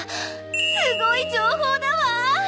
すごい情報だわ！